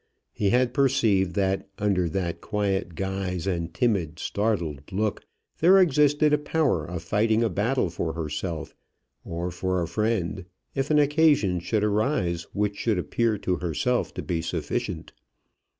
He had perceived that under that quiet guise and timid startled look there existed a power of fighting a battle for herself or for a friend, if an occasion should arise which should appear to herself to be sufficient.